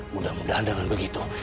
mudah mudahan dengan begitu